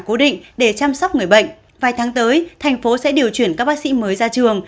cố định để chăm sóc người bệnh vài tháng tới thành phố sẽ điều chuyển các bác sĩ mới ra trường